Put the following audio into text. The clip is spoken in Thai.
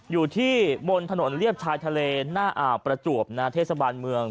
อยู่ที่บนถนนเรียบชายทะเลหน้าอ่าวประจวบเทศบาลเมือง